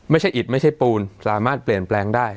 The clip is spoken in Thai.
อิดไม่ใช่ปูนสามารถเปลี่ยนแปลงได้